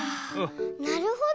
なるほど。